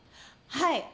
はい。